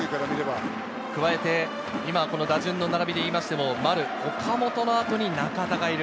加えて今、打順の並びで言いましても、丸、岡本の後に中田がいる。